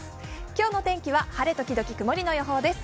今日の天気は晴れ時々曇りの予報です。